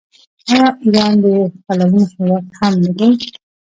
آیا ایران د پلونو هیواد هم نه دی؟